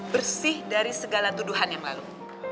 bersih dari segala tuduhan yang lalu